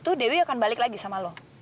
itu dewi akan balik lagi sama lo